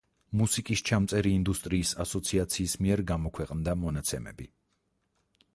მუსიკის ჩამწერი ინდუსტრიის ასოციაციის მიერ გამოქვეყნდა მონაცემები.